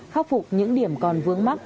khắc phục những điểm còn vướng mắc